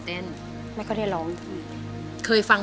เขาเคยฟัง